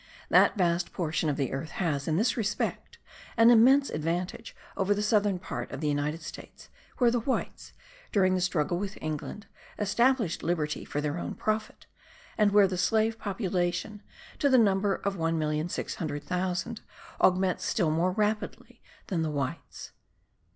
That vast portion of the earth has, in this respect, an immense advantage over the southern part of the United States, where the whites, during the struggle with England, established liberty for their own profit, and where the slave population, to the number of 1,600,000, augments still more rapidly than the whites.